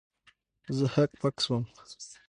زه هک پک سوم.